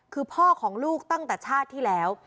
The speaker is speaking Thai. คือพ่อของลูกตั้งแต่ชาติที่แล้ว